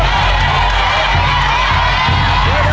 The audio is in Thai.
สุดท้ายสุดท้ายสุดท้าย